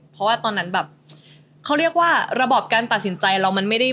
เพราะว่าตอนนั้นเขาเรียกว่าระบบการตัดสินใจเรา